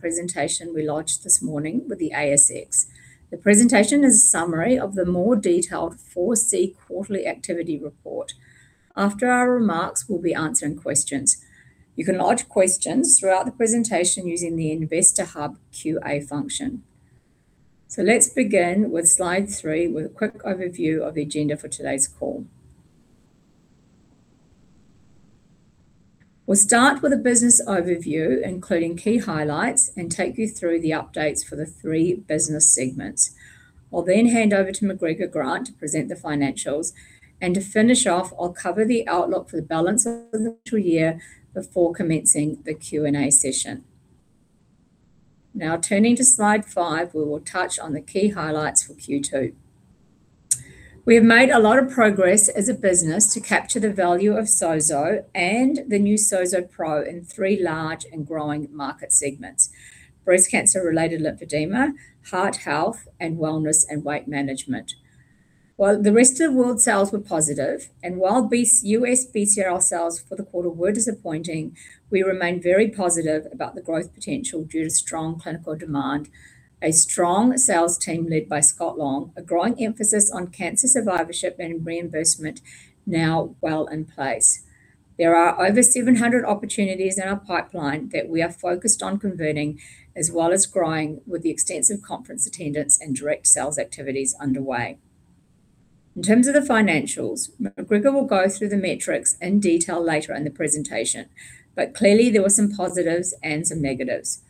Presentation we launched this morning with the ASX. The presentation is a summary of the more detailed 4C quarterly activity report. After our remarks, we'll be answering questions. You can lodge questions throughout the presentation using the Investor Hub QA function. So let's begin with slide 3, with a quick overview of the agenda for today's call. We'll start with a business overview, including key highlights, and take you through the updates for the three business segments. I'll then hand over to McGregor Grant to present the financials, and to finish off, I'll cover the outlook for the balance of the financial year before commencing the Q&A session. Now, turning to slide 5, we will touch on the key highlights for Q2. We have made a lot of progress as a business to capture the value of SOZO and the new SOZO Pro in three large and growing market segments: breast cancer-related lymphedema, heart health, and wellness and weight management. While the rest of the world sales were positive, and while BCRL-US BCRL sales for the quarter were disappointing, we remain very positive about the growth potential due to strong clinical demand, a strong sales team led by Scott Long, a growing emphasis on cancer survivorship, and reimbursement now well in place. There are over 700 opportunities in our pipeline that we are focused on converting, as well as growing with the extensive conference attendance and direct sales activities underway. In terms of the financials, McGregor will go through the metrics in detail later in the presentation, but clearly there were some positives and some negatives.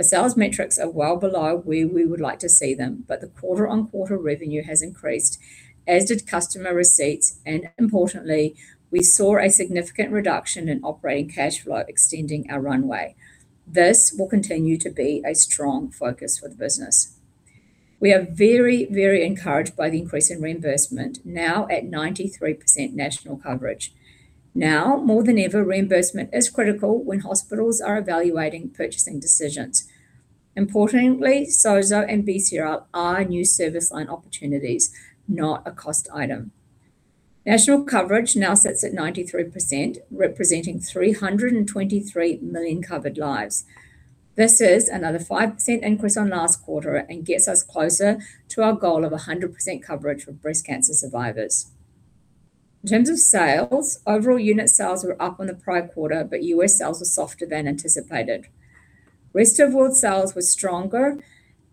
The sales metrics are well below where we would like to see them, but the quarter-on-quarter revenue has increased, as did customer receipts, and importantly, we saw a significant reduction in operating cash flow, extending our runway. This will continue to be a strong focus for the business. We are very, very encouraged by the increase in reimbursement, now at 93% national coverage. Now, more than ever, reimbursement is critical when hospitals are evaluating purchasing decisions. Importantly, SOZO and BCRL are new service line opportunities, not a cost item. National coverage now sits at 93%, representing 323 million covered lives. This is another 5% increase on last quarter and gets us closer to our goal of 100% coverage for breast cancer survivors. In terms of sales, overall unit sales were up on the prior quarter, but U.S. sales were softer than anticipated. Rest of world sales were stronger,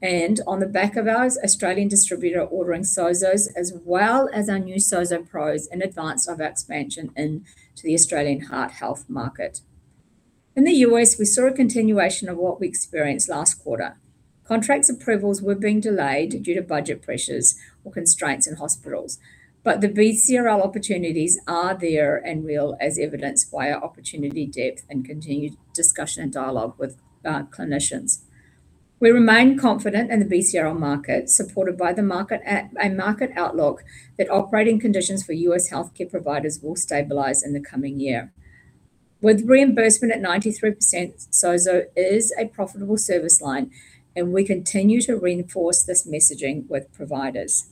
and on the back of our Australian distributor ordering SOZOs, as well as our new SOZO Pros in advance of our expansion into the Australian heart health market. In the U.S., we saw a continuation of what we experienced last quarter. Contracts approvals were being delayed due to budget pressures or constraints in hospitals, but the BCRL opportunities are there and real, as evidenced by our opportunity depth and continued discussion and dialogue with clinicians. We remain confident in the BCRL market, supported by the market outlook that operating conditions for U.S. healthcare providers will stabilize in the coming year. With reimbursement at 93%, SOZO is a profitable service line, and we continue to reinforce this messaging with providers.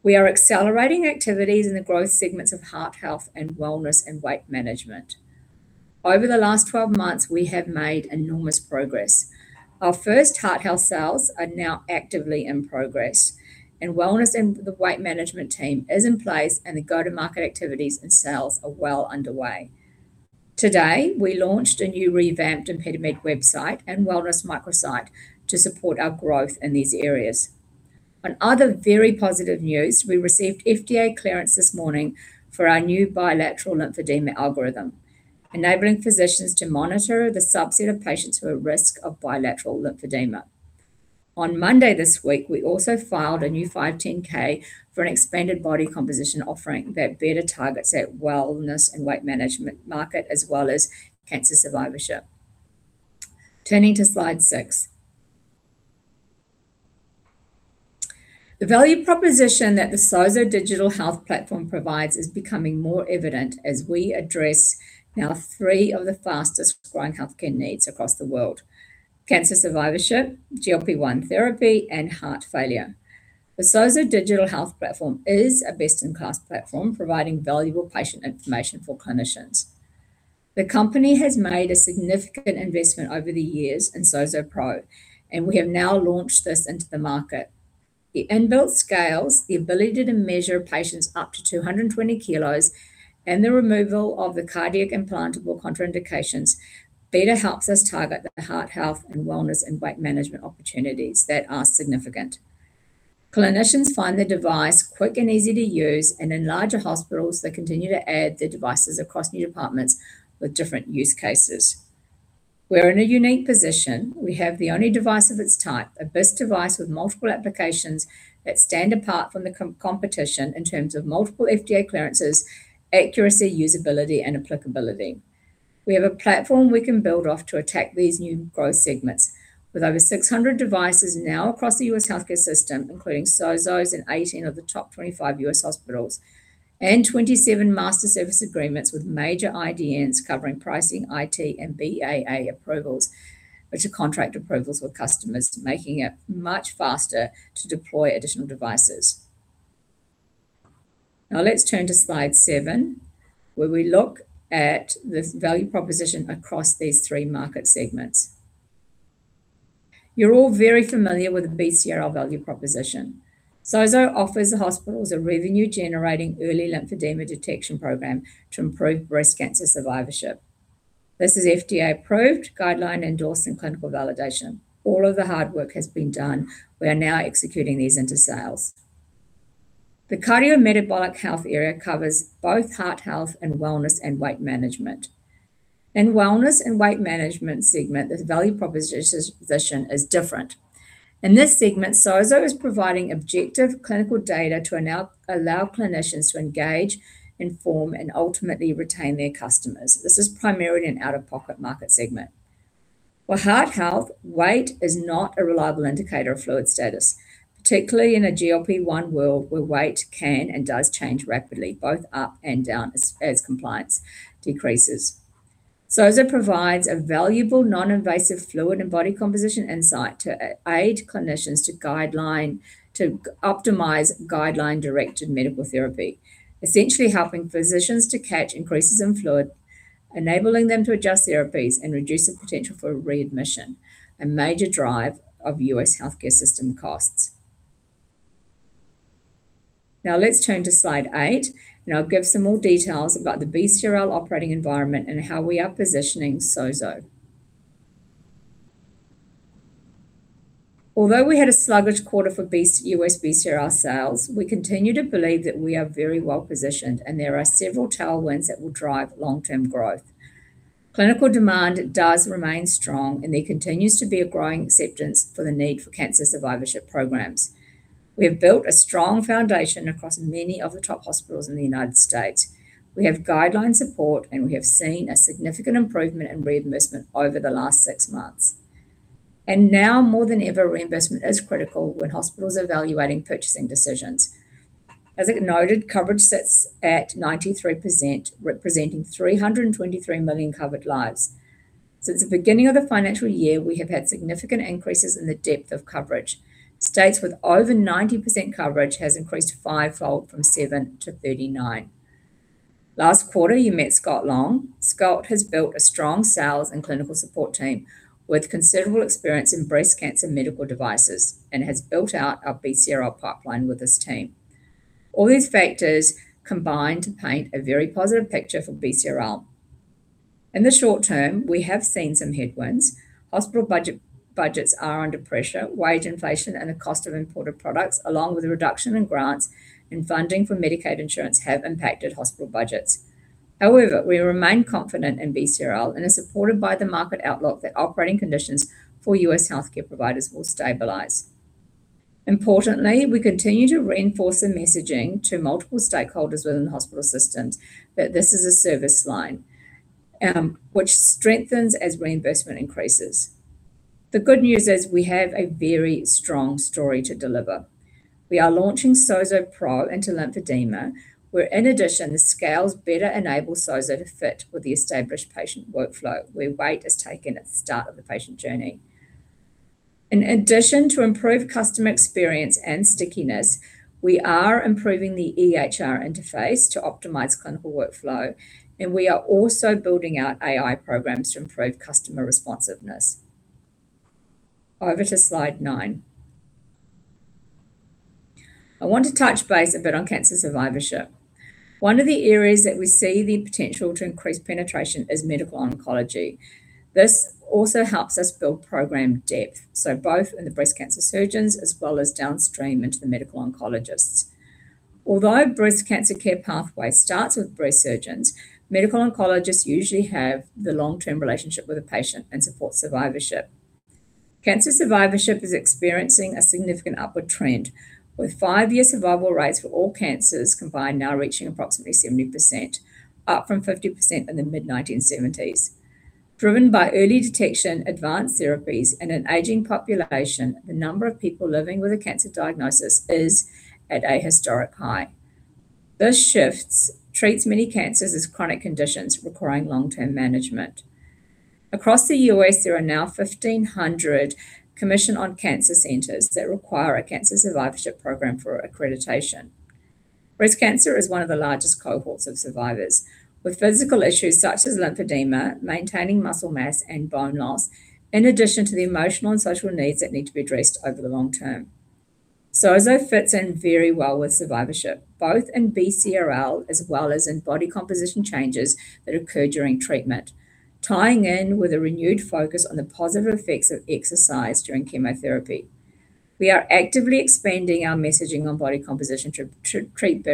We are accelerating activities in the growth segments of heart health and wellness and weight management. Over the last 12 months, we have made enormous progress. Our first heart health sales are now actively in progress, and wellness and the weight management team is in place, and the go-to-market activities and sales are well underway. Today, we launched a new revamped ImpediMed website and wellness microsite to support our growth in these areas. On other very positive news, we received FDA clearance this morning for our new bilateral lymphedema algorithm, enabling physicians to monitor the subset of patients who are at risk of bilateral lymphedema. On Monday this week, we also filed a new 510(k) for an expanded body composition offering that better targets the wellness and weight management market, as well as cancer survivorship. Turning to slide 6. The value proposition that the SOZO Digital Health Platform provides is becoming more evident as we address now three of the fastest growing healthcare needs across the world: cancer survivorship, GLP-1 therapy, and heart failure. The SOZO Digital Health Platform is a best-in-class platform, providing valuable patient information for clinicians. The company has made a significant investment over the years in SOZO Pro, and we have now launched this into the market. The inbuilt scales, the ability to measure patients up to 220 kilos, and the removal of the cardiac implantable contraindications, better helps us target the heart health and wellness and weight management opportunities that are significant. Clinicians find the device quick and easy to use, and in larger hospitals, they continue to add the devices across new departments with different use cases. We're in a unique position. We have the only device of its type, a best device with multiple applications, that stand apart from the competition in terms of multiple FDA clearances, accuracy, usability, and applicability. We have a platform we can build off to attack these new growth segments, with over 600 devices now across the U.S. healthcare system, including SOZOs in 18 of the top 25 U.S. hospitals, and 27 master service agreements with major IDNs, covering pricing, IT, and BAA approvals, which are contract approvals for customers, making it much faster to deploy additional devices. Now let's turn to slide 7, where we look at this value proposition across these three market segments. You're all very familiar with the BCRL value proposition. SOZO offers the hospitals a revenue-generating early lymphedema detection program to improve breast cancer survivorship. This is FDA-approved, guideline-endorsed, and clinical validation. All of the hard work has been done. We are now executing these into sales. The cardiometabolic health area covers both heart health and wellness and weight management. In wellness and weight management segment, the value proposition, position is different. In this segment, SOZO is providing objective clinical data to allow clinicians to engage, inform, and ultimately retain their customers. This is primarily an out-of-pocket market segment. For heart health, weight is not a reliable indicator of fluid status, particularly in a GLP-1 world, where weight can and does change rapidly, both up and down as compliance decreases. SOZO provides a valuable, non-invasive fluid and body composition insight to aid clinicians to guide, to optimize guideline-directed medical therapy, essentially helping physicians to catch increases in fluid, enabling them to adjust therapies and reduce the potential for readmission, a major drive of U.S. healthcare system costs. Now, let's turn to slide 8, and I'll give some more details about the BCRL operating environment and how we are positioning SOZO. Although we had a sluggish quarter for BCRL-US BCRL sales, we continue to believe that we are very well-positioned, and there are several tailwinds that will drive long-term growth. Clinical demand does remain strong, and there continues to be a growing acceptance for the need for cancer survivorship programs. We have built a strong foundation across many of the top hospitals in the United States. We have guideline support, and we have seen a significant improvement in reimbursement over the last six months. And now more than ever, reimbursement is critical when hospitals are evaluating purchasing decisions. As I noted, coverage sits at 93%, representing 323 million covered lives. Since the beginning of the financial year, we have had significant increases in the depth of coverage. States with over 90% coverage has increased fivefold from 7 to 39. Last quarter, you met Scott Long. Scott has built a strong sales and clinical support team with considerable experience in breast cancer medical devices and has built out our BCRL pipeline with his team. All these factors combine to paint a very positive picture for BCRL. In the short term, we have seen some headwinds. Hospital budget, budgets are under pressure, wage inflation and the cost of imported products, along with a reduction in grants and funding for Medicaid insurance, have impacted hospital budgets. However, we remain confident in BCRL and are supported by the market outlook that operating conditions for U.S. healthcare providers will stabilize. Importantly, we continue to reinforce the messaging to multiple stakeholders within the hospital systems that this is a service line, which strengthens as reimbursement increases. The good news is we have a very strong story to deliver. We are launching SOZO Pro into lymphedema, where, in addition, the scales better enable SOZO to fit with the established patient workflow, where weight is taken at the start of the patient journey. In addition to improved customer experience and stickiness, we are improving the EHR interface to optimize clinical workflow, and we are also building out AI programs to improve customer responsiveness. Over to slide nine. I want to touch base a bit on cancer survivorship. One of the areas that we see the potential to increase penetration is medical oncology. This also helps us build program depth, so both in the breast cancer surgeons as well as downstream into the medical oncologists. Although breast cancer care pathway starts with breast surgeons, medical oncologists usually have the long-term relationship with a patient and support survivorship. Cancer survivorship is experiencing a significant upward trend, with five-year survival rates for all cancers combined now reaching approximately 70%, up from 50% in the mid-1970s. Driven by early detection, advanced therapies, and an aging population, the number of people living with a cancer diagnosis is at a historic high. These shifts treats many cancers as chronic conditions requiring long-term management. Across the U.S., there are now 1,500 Commission on Cancer centers that require a cancer survivorship program for accreditation. Breast cancer is one of the largest cohorts of survivors, with physical issues such as lymphedema, maintaining muscle mass, and bone loss, in addition to the emotional and social needs that need to be addressed over the long term. SOZO fits in very well with survivorship, both in BCRL as well as in body composition changes that occur during treatment, tying in with a renewed focus on the positive effects of exercise during chemotherapy. We are actively expanding our messaging on body composition to treat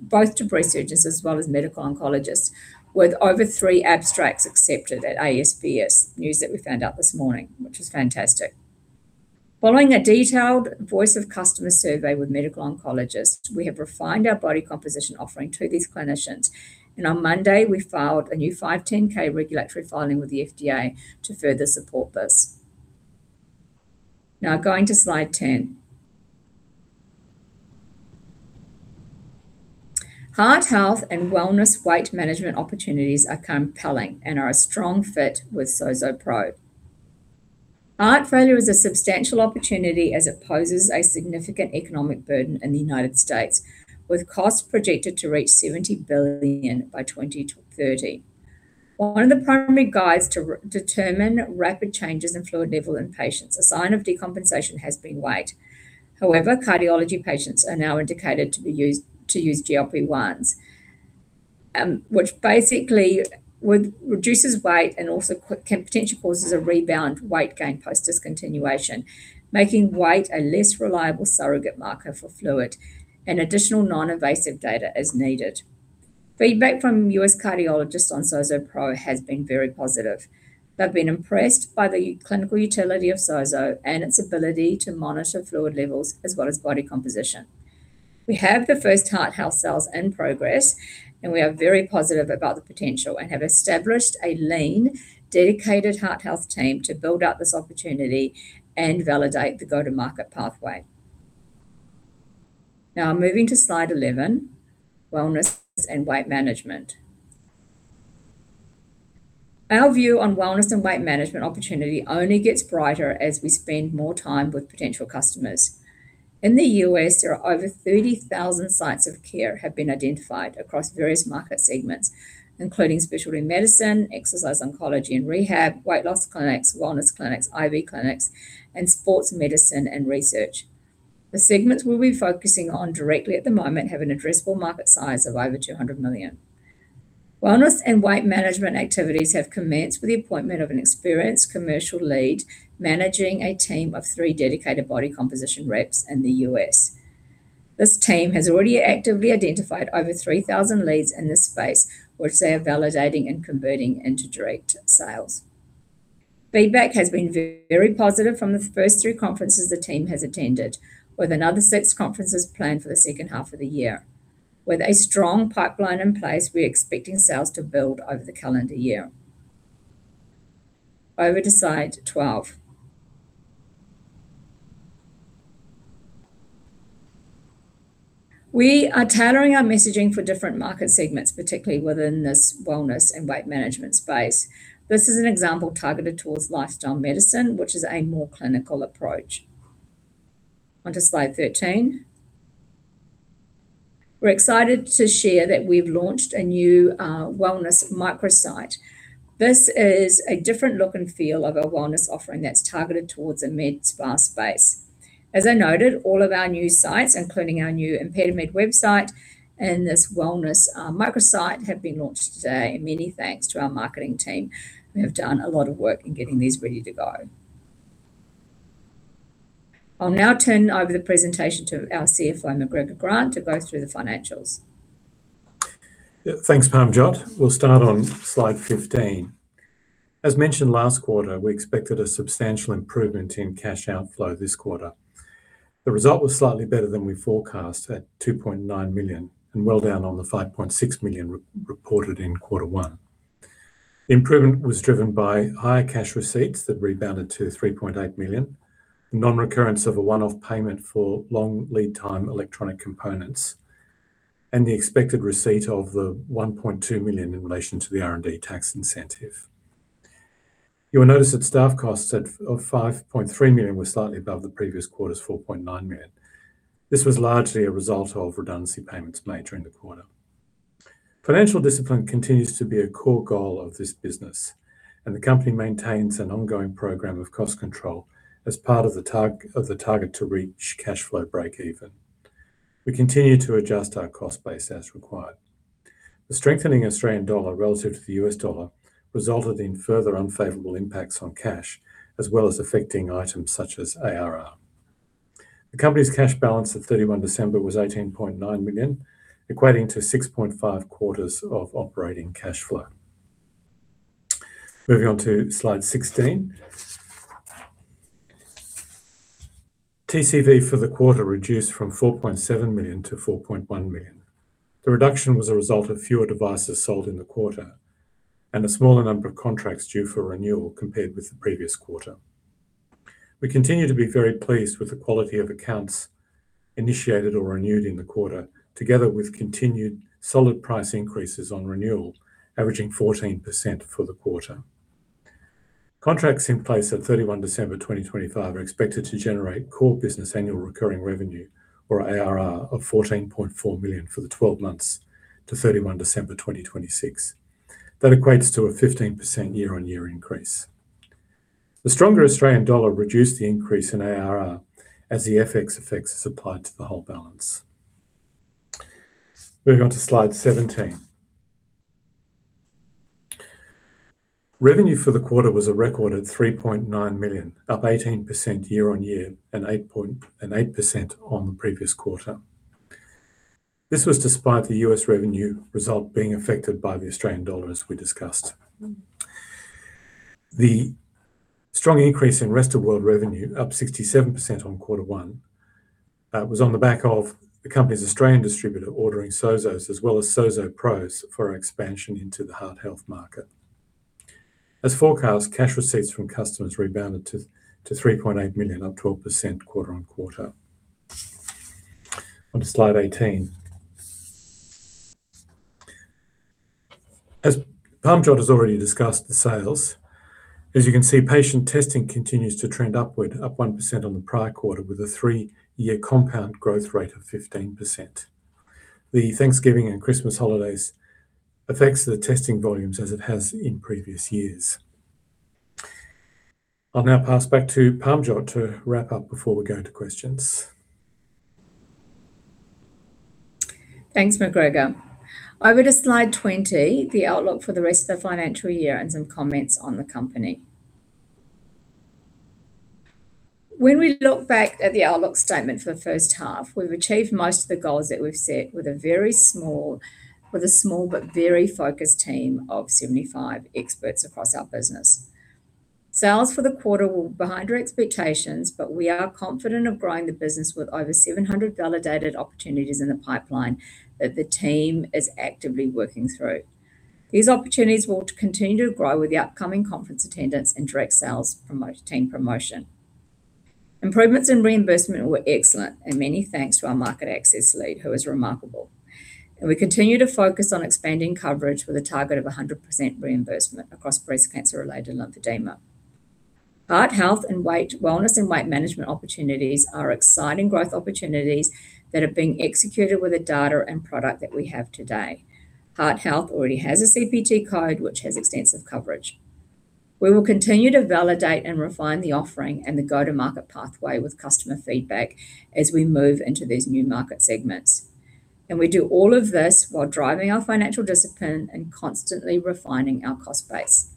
both breast surgeons as well as medical oncologists, with over three abstracts accepted at ASBS, news that we found out this morning, which is fantastic. Following a detailed voice of customer survey with medical oncologists, we have refined our body composition offering to these clinicians, and on Monday, we filed a new 510(k) regulatory filing with the FDA to further support this. Now, going to slide 10. Heart health and wellness weight management opportunities are compelling and are a strong fit with SOZO Pro. Heart failure is a substantial opportunity as it poses a significant economic burden in the United States, with costs projected to reach $70 billion by 2030. One of the primary guides to determine rapid changes in fluid level in patients, a sign of decompensation, has been weight. However, cardiology patients are now indicated to use GLP-1s, which basically reduces weight and also can potentially cause a rebound weight gain post-discontinuation, making weight a less reliable surrogate marker for fluid, and additional non-invasive data is needed. Feedback from U.S. cardiologists on SOZO Pro has been very positive. They've been impressed by the clinical utility of SOZO and its ability to monitor fluid levels as well as body composition. We have the first heart health sales in progress, and we are very positive about the potential and have established a lean, dedicated heart health team to build out this opportunity and validate the go-to-market pathway. Now moving to Slide 11: Wellness and Weight Management. Our view on wellness and weight management opportunity only gets brighter as we spend more time with potential customers. In the U.S., there are over 30,000 sites of care have been identified across various market segments, including specialty medicine, exercise oncology and rehab, weight loss clinics, wellness clinics, IV clinics, and sports medicine and research. The segments we'll be focusing on directly at the moment have an addressable market size of over 200 million. Wellness and weight management activities have commenced with the appointment of an experienced commercial lead, managing a team of three dedicated body composition reps in the U.S. This team has already actively identified over 3,000 leads in this space, which they are validating and converting into direct sales. Feedback has been very positive from the first three conferences the team has attended, with another six conferences planned for the second half of the year. With a strong pipeline in place, we're expecting sales to build over the calendar year. Over to Slide 12. We are tailoring our messaging for different market segments, particularly within this wellness and weight management space. This is an example targeted towards lifestyle medicine, which is a more clinical approach. On to Slide 13. We're excited to share that we've launched a new wellness microsite. This is a different look and feel of our wellness offering that's targeted towards a med spa space. As I noted, all of our new sites, including our new ImpediMed website and this wellness microsite, have been launched today. Many thanks to our marketing team, who have done a lot of work in getting these ready to go. I'll now turn over the presentation to our CFO, McGregor Grant, to go through the financials. Yeah, thanks, Parmjot. We'll start on Slide 15. As mentioned last quarter, we expected a substantial improvement in cash outflow this quarter. The result was slightly better than we forecast, at 2.9 million, and well down on the 5.6 million re-reported in quarter one. Improvement was driven by higher cash receipts that rebounded to 3.8 million, the non-recurrence of a one-off payment for long lead time electronic components, and the expected receipt of the 1.2 million in relation to the R&D tax incentive. You will notice that staff costs at, of 5.3 million were slightly above the previous quarter's 4.9 million. This was largely a result of redundancy payments made during the quarter. Financial discipline continues to be a core goal of this business, and the company maintains an ongoing program of cost control as part of the target to reach cash flow breakeven. We continue to adjust our cost base as required. The strengthening Australian dollar relative to the US dollar resulted in further unfavorable impacts on cash, as well as affecting items such as ARR. The company's cash balance at 31 December was 18.9 million, equating to 6.5 quarters of operating cash flow. Moving on to Slide 16. TCV for the quarter reduced from 4.7 million to 4.1 million. The reduction was a result of fewer devices sold in the quarter and a smaller number of contracts due for renewal compared with the previous quarter. We continue to be very pleased with the quality of accounts initiated or renewed in the quarter, together with continued solid price increases on renewal, averaging 14% for the quarter. Contracts in place at 31 December 2025 are expected to generate core business annual recurring revenue, or ARR, of 14.4 million for the twelve months to 31 December 2026. That equates to a 15% year-on-year increase. The stronger Australian dollar reduced the increase in ARR as the FX effects is applied to the whole balance. Moving on to Slide 17. Revenue for the quarter was a record at 3.9 million, up 18% year-on-year and 8% on the previous quarter. This was despite the US revenue result being affected by the Australian dollar, as we discussed. The strong increase in rest of world revenue, up 67% on quarter one, was on the back of the company's Australian distributor ordering SOZOs as well as SOZO Pros for our expansion into the heart health market. As forecast, cash receipts from customers rebounded to 3.8 million, up 12% quarter-on-quarter. On to Slide 18.... As Parmjot has already discussed the sales, as you can see, patient testing continues to trend upward, up 1% on the prior quarter, with a three-year compound growth rate of 15%. The Thanksgiving and Christmas holidays affects the testing volumes as it has in previous years. I'll now pass back to Parmjot to wrap up before we go to questions. Thanks, McGregor. Over to slide 20, the outlook for the rest of the financial year and some comments on the company. When we look back at the outlook statement for the first half, we've achieved most of the goals that we've set with a small but very focused team of 75 experts across our business. Sales for the quarter were behind our expectations, but we are confident of growing the business with over 700 validated opportunities in the pipeline, that the team is actively working through. These opportunities will continue to grow with the upcoming conference attendance and direct sales team promotion. Improvements in reimbursement were excellent, and many thanks to our market access lead, who is remarkable. We continue to focus on expanding coverage with a target of 100% reimbursement across breast cancer-related lymphedema. Heart health and weight, wellness and weight management opportunities are exciting growth opportunities that are being executed with the data and product that we have today. Heart health already has a CPT code, which has extensive coverage. We will continue to validate and refine the offering and the go-to-market pathway with customer feedback as we move into these new market segments, and we do all of this while driving our financial discipline and constantly refining our cost base.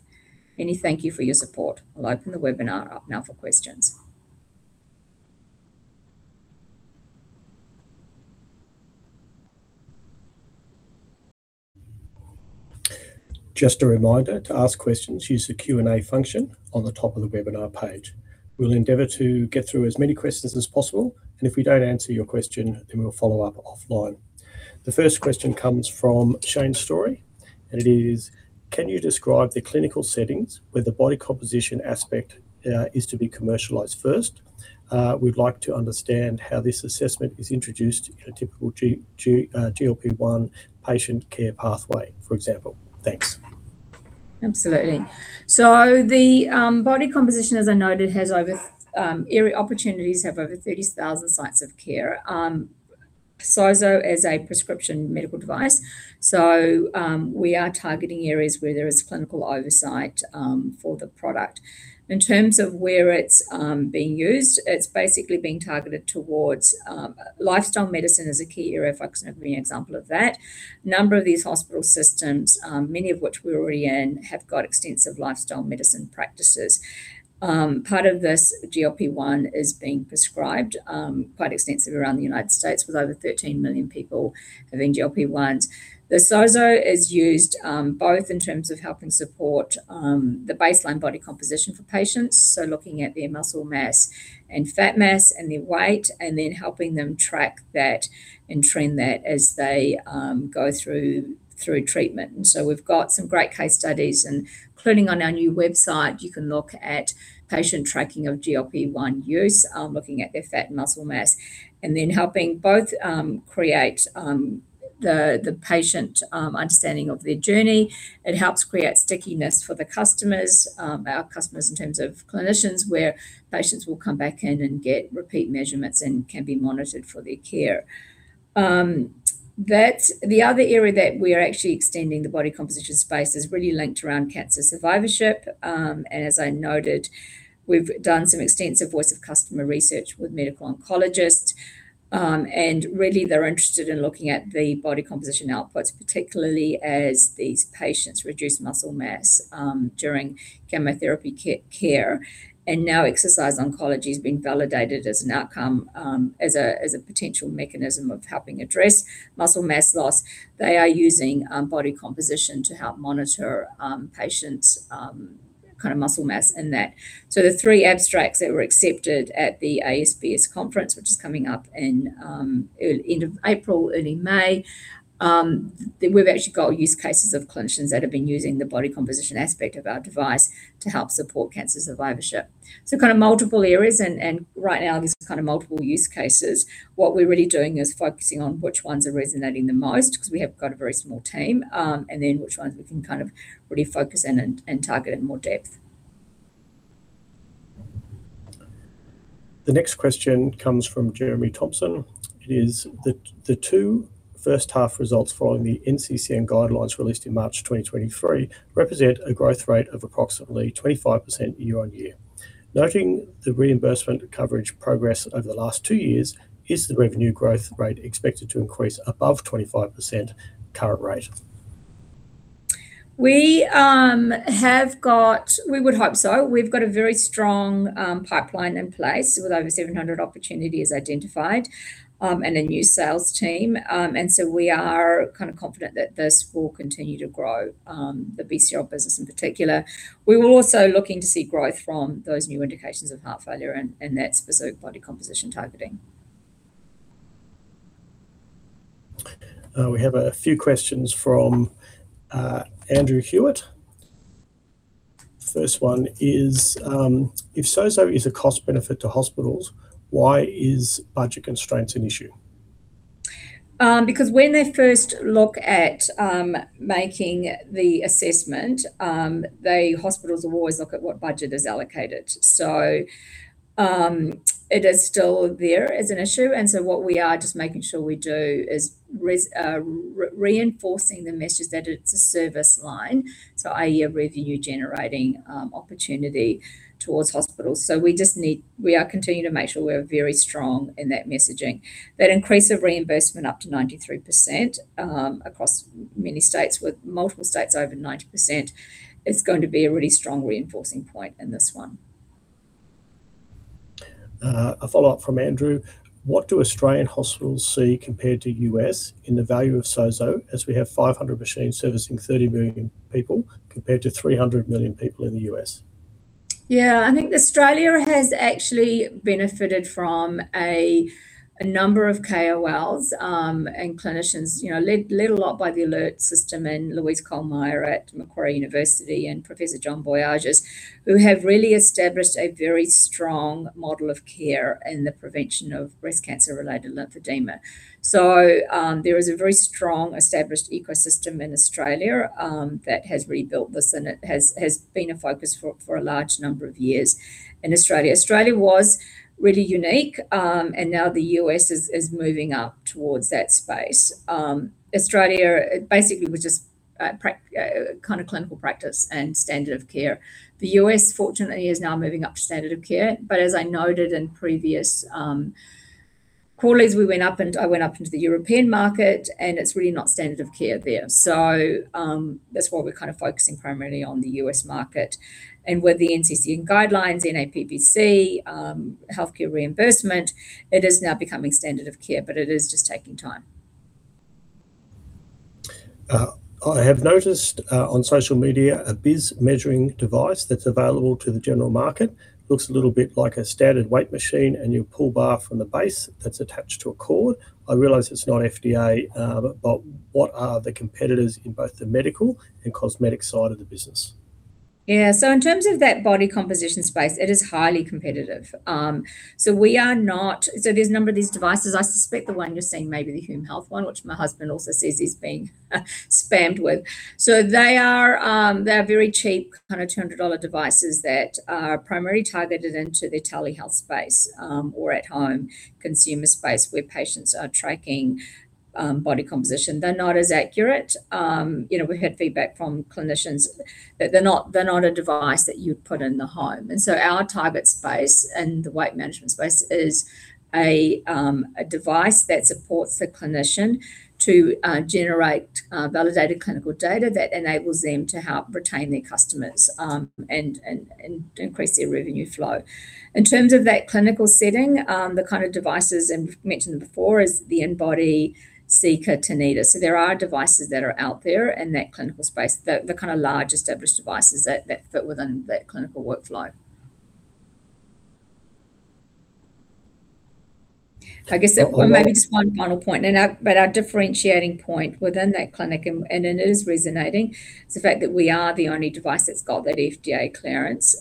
Many thanks for your support. I'll open the webinar up now for questions. Just a reminder, to ask questions, use the Q&A function on the top of the webinar page. We'll endeavor to get through as many questions as possible, and if we don't answer your question, then we'll follow up offline. The first question comes from Shane Storey, and it is: Can you describe the clinical settings where the body composition aspect is to be commercialized first? We'd like to understand how this assessment is introduced in a typical GLP-1 patient care pathway, for example. Thanks. Absolutely. So the body composition, as I noted, has over 30,000 sites of care. SOZO is a prescription medical device, so we are targeting areas where there is clinical oversight for the product. In terms of where it's being used, it's basically being targeted towards... Lifestyle medicine is a key area, Fox, and a great example of that. A number of these hospital systems, many of which we're already in, have got extensive lifestyle medicine practices. Part of this GLP-1 is being prescribed quite extensively around the United States, with over 13 million people having GLP-1s. The SOZO is used, both in terms of helping support the baseline body composition for patients, so looking at their muscle mass and fat mass and their weight, and then helping them track that and trend that as they go through treatment. So we've got some great case studies, including on our new website, you can look at patient tracking of GLP-1 use, looking at their fat and muscle mass, and then helping both create the patient understanding of their journey. It helps create stickiness for the customers, our customers in terms of clinicians, where patients will come back in and get repeat measurements and can be monitored for their care. That. The other area that we are actually extending the body composition space is really linked around cancer survivorship. As I noted, we've done some extensive voice of customer research with medical oncologists, and really, they're interested in looking at the body composition outputs, particularly as these patients reduce muscle mass during chemotherapy care. And now exercise oncology is being validated as an outcome, as a potential mechanism of helping address muscle mass loss. They are using body composition to help monitor patients' kind of muscle mass and that. So the three abstracts that were accepted at the ASBS conference, which is coming up in end of April, early May, we've actually got use cases of clinicians that have been using the body composition aspect of our device to help support cancer survivorship. So kind of multiple areas, and right now, there's kind of multiple use cases. What we're really doing is focusing on which ones are resonating the most, because we have got a very small team, and then which ones we can kind of really focus in and target in more depth. The next question comes from Jeremy Thompson. It is, "The two first half results following the NCCN guidelines released in March 2023, represent a growth rate of approximately 25% year-on-year. Noting the reimbursement coverage progress over the last two years, is the revenue growth rate expected to increase above 25% current rate? We have got We would hope so. We've got a very strong pipeline in place, with over 700 opportunities identified, and a new sales team. And so we are kind of confident that this will continue to grow the BCR business in particular. We were also looking to see growth from those new indications of heart failure and that specific body composition targeting. We have a few questions from Andrew Hewitt. First one is, if SOZO is a cost benefit to hospitals, why is budget constraints an issue? Because when they first look at making the assessment, they, hospitals will always look at what budget is allocated. So, it is still there as an issue, and so what we are just making sure we do is reinforcing the message that it's a service line, so i.e., a revenue generating opportunity towards hospitals. So we are continuing to make sure we're very strong in that messaging. That increase of reimbursement up to 93%, across many states, with multiple states over 90%, is going to be a really strong reinforcing point in this one. A follow-up from Andrew: What do Australian hospitals see compared to U.S. in the value of SOZO, as we have 500 machines servicing 30 million people, compared to 300 million people in the U.S.? Yeah, I think Australia has actually benefited from a number of KOLs, and clinicians, you know, led a lot by the alert system, and Louise Koelmeyer at Macquarie University, and Professor John Boyages, who have really established a very strong model of care in the prevention of breast cancer-related lymphedema. So, there is a very strong established ecosystem in Australia, that has rebuilt this, and it has been a focus for a large number of years in Australia. Australia was really unique, and now the US is moving up towards that space. Australia, it basically was just practice, kind of clinical practice and standard of care. The US fortunately, is now moving up to standard of care, but as I noted in previous quarters, we went up and... I went up into the European market, and it's really not standard of care there. So, that's why we're kind of focusing primarily on the US market. And with the NCCN guidelines, NAPBC, healthcare reimbursement, it is now becoming standard of care, but it is just taking time. I have noticed, on social media, a BIS measuring device that's available to the general market. Looks a little bit like a standard weight machine, and you pull bar from the base that's attached to a cord. I realize it's not FDA, but what are the competitors in both the medical and cosmetic side of the business? Yeah. So in terms of that body composition space, it is highly competitive. So there's a number of these devices. I suspect the one you're seeing may be the Hume Health one, which my husband also says he's being spammed with. So they are, they're very cheap, kind of 200 dollar devices that are primarily targeted into the telehealth space, or at home consumer space, where patients are tracking, body composition. They're not as accurate. You know, we've had feedback from clinicians that they're not, they're not a device that you'd put in the home. And so our target space and the weight management space is a device that supports the clinician to generate, validated clinical data that enables them to help retain their customers, and increase their revenue flow. In terms of that clinical setting, the kind of devices, and we've mentioned them before, is the InBody, Seca, Tanita. So there are devices that are out there in that clinical space, the kind of large established devices that fit within that clinical workflow. I guess maybe just one final point, but our differentiating point within that clinic, and it is resonating, is the fact that we are the only device that's got that FDA clearance.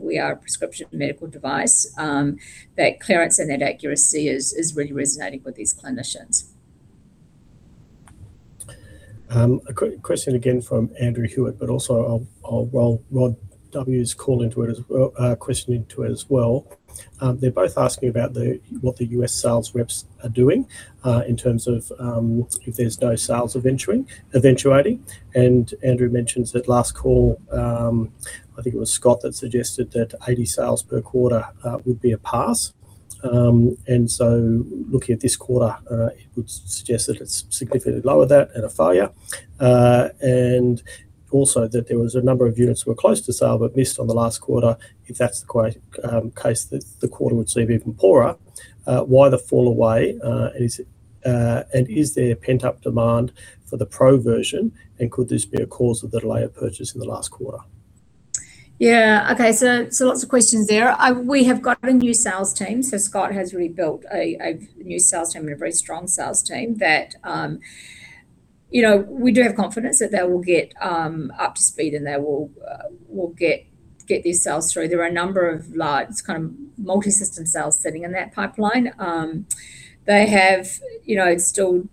We are a prescription medical device. That clearance and that accuracy is really resonating with these clinicians. A question again from Andrew Hewitt, but also I'll roll Rod W's call into it as well, question into it as well. They're both asking about what the U.S. sales reps are doing in terms of if there's no sales eventuating. And Andrew mentions that last call, I think it was Scott, that suggested that 80 sales per quarter would be a pass. And so looking at this quarter, it would suggest that it's significantly lower than that and a failure. And also that there was a number of units were close to sale, but missed on the last quarter, if that's the case, the quarter would seem even poorer. Why the fall away? And is there a pent-up demand for the Pro version, and could this be a cause of the delay of purchase in the last quarter? Yeah. Okay, so lots of questions there. We have got a new sales team, so Scott has rebuilt a new sales team and a very strong sales team that, you know, we do have confidence that they will get up to speed and they will get these sales through. There are a number of large, kind of multi-system sales sitting in that pipeline. They have, you know, still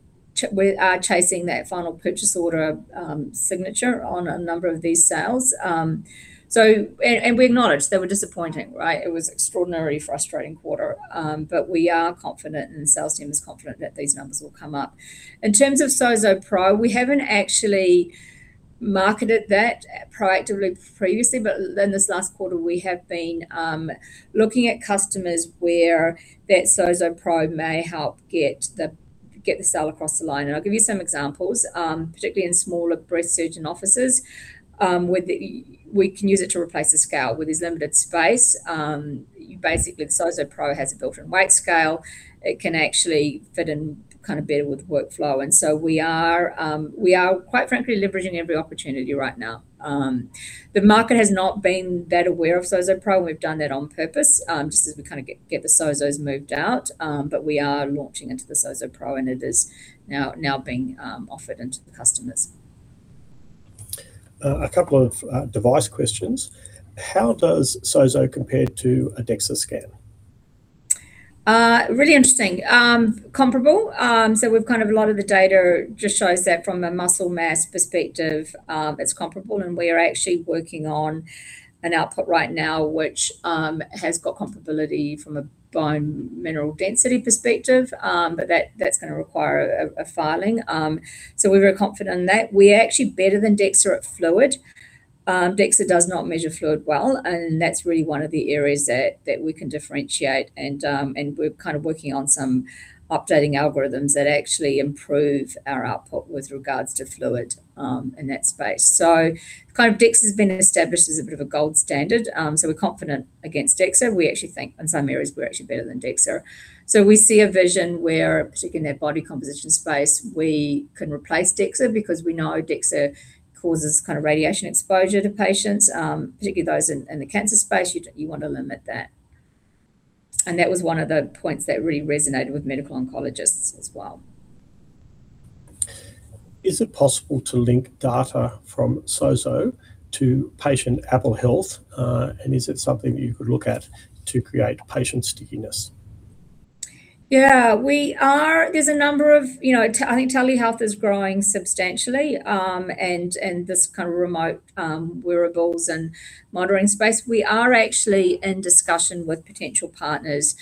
we are chasing that final purchase order signature on a number of these sales. And we acknowledge they were disappointing, right? It was extraordinarily frustrating quarter. But we are confident and the sales team is confident that these numbers will come up. In terms of SOZO Pro, we haven't actually marketed that proactively previously, but then this last quarter we have been looking at customers where that SOZO Pro may help get the sale across the line. And I'll give you some examples, particularly in smaller breast surgeon offices, we can use it to replace the scale. With its limited space, you basically, the SOZO Pro has a built-in weight scale. It can actually fit in kind of better with workflow, and so we are quite frankly leveraging every opportunity right now. The market has not been that aware of SOZO Pro. We've done that on purpose, just as we kind of get the SOZOs moved out. But we are launching into the SOZO Pro, and it is now being offered into the customers. A couple of device questions: How does SOZO compare to a DEXA scan?... Really interesting. Comparable, so we've kind of a lot of the data just shows that from a muscle mass perspective, it's comparable, and we are actually working on an output right now, which has got comparability from a bone mineral density perspective. But that, that's gonna require a filing. So we're very confident in that. We are actually better than DEXA at fluid. DEXA does not measure fluid well, and that's really one of the areas that we can differentiate and we're kind of working on some updating algorithms that actually improve our output with regards to fluid in that space. So kind of DEXA has been established as a bit of a gold standard. So we're confident against DEXA. We actually think in some areas we're actually better than DEXA. So we see a vision where, particularly in that body composition space, we can replace DEXA because we know DEXA causes kind of radiation exposure to patients, particularly those in the cancer space, you want to limit that. And that was one of the points that really resonated with medical oncologists as well. Is it possible to link data from SOZO to patient Apple Health? And is it something you could look at to create patient stickiness? There's a number of, you know. I think telehealth is growing substantially, and this kind of remote wearables and monitoring space. We are actually in discussion with potential partners,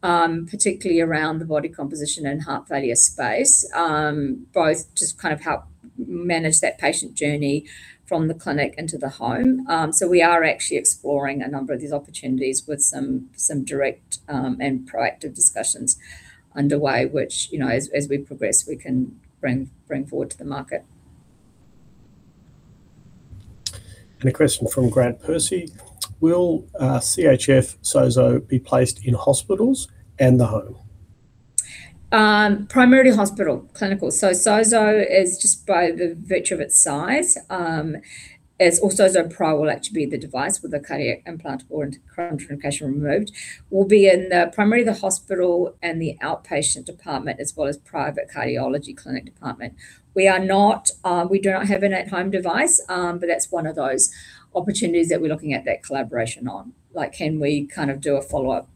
particularly around the body composition and heart failure space, both just kind of help manage that patient journey from the clinic into the home. So we are actually exploring a number of these opportunities with some direct and proactive discussions underway, which, you know, as we progress, we can bring forward to the market. A question from Grant Percy: Will CHF SOZO be placed in hospitals and the home? Primarily hospital, clinical. So SOZO is just by the virtue of its size, as also SOZO Pro will actually be the device with a cardiac implant or cardiac communication removed, will be in the primarily the hospital and the outpatient department, as well as private cardiology clinic department. We are not, we do not have an at-home device, but that's one of those opportunities that we're looking at that collaboration on. Like, can we kind of do a follow-up,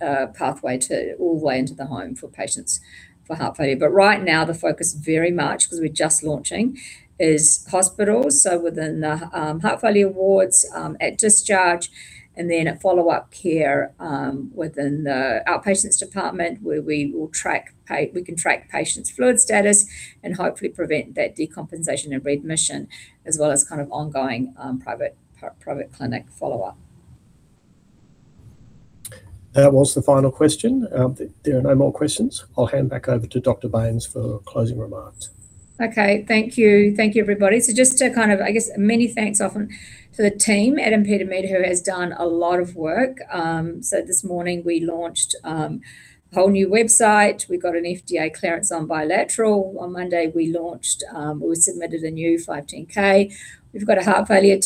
pathway to all the way into the home for patients for heart failure? But right now, the focus very much, because we're just launching, is hospitals, so within the heart failure wards, at discharge, and then a follow-up care within the outpatients department, where we can track patients' fluid status and hopefully prevent that decompensation and readmission, as well as kind of ongoing private clinic follow-up. That was the final question. There are no more questions. I'll hand back over to Dr. Baines for closing remarks. Okay, thank you. Thank you, everybody. So just to kind of, I guess, many thanks often to the team, at ImpediMed, who has done a lot of work. So this morning we launched a whole new website. We've got an FDA clearance on bilateral. On Monday, we launched we submitted a new 510(k). We've got a heart failure,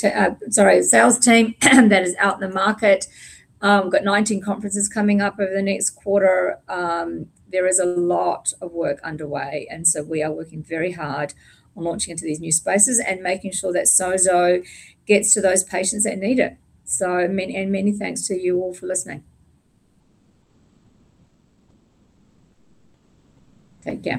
sorry, a sales team that is out in the market. We've got 19 conferences coming up over the next quarter. There is a lot of work underway, and so we are working very hard on launching into these new spaces and making sure that SOZO gets to those patients that need it. So many and many thanks to you all for listening. Thank you.